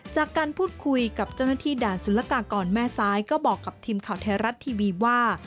จากการพูดคุยกับเจ้าหน้าที่ด่านสุรกากรแม่ซ้ายก็บอกกับทีมข่าวไทยรัฐทีวีว่า